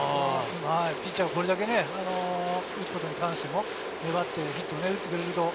ピッチャーがこれだけ打つことに関しても粘ってね、打ってくれると。